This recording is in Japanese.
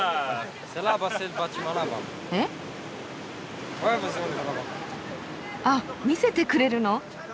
えっ？あっ見せてくれるの？